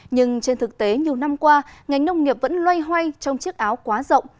nhưng trên thực tế nhiều năm qua ngành nông nghiệp vẫn loay hoay trong chiếc áo quá rộng